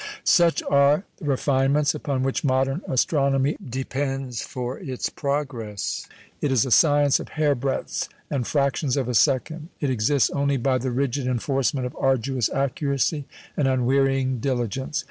Such are the refinements upon which modern astronomy depends for its progress. It is a science of hairbreadths and fractions of a second. It exists only by the rigid enforcement of arduous accuracy and unwearying diligence.